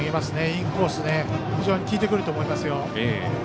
インコース非常に効いてくると思いますよ。